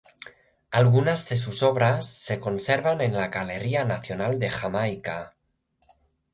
Algunas de sus obras se conservan en la Galería Nacional de Jamaica.